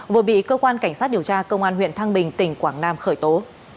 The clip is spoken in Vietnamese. vừa bị cơ quan cảnh sát điều tra công an huyện thăng bình tỉnh quảng nam khởi tố